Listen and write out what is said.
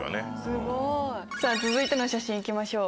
すごい！続いての写真いきましょう。